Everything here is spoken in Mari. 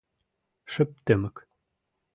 Шып-тымык!